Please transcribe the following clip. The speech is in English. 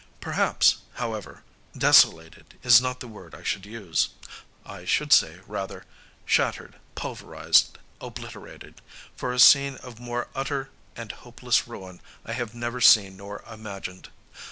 Perhaps, however, "desolated" is not the word I should use; I should say, rather, "shattered, pulverized, obliterated," for a scene of more utter and hopeless ruin I have never seen nor imagined.